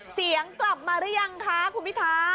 เสียงกลับมาหรือยังคะคุณพิทา